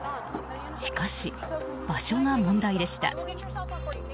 しかし、場所が問題でした。